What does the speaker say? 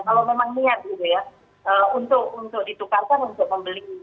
kalau memang niat gitu ya untuk ditukarkan untuk membeli